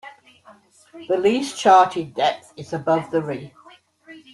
The least charted depth is above the reef.